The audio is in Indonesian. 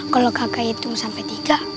kalau kakak itu sampai tiga